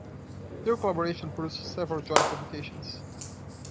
Their collaboration produced several joint publications.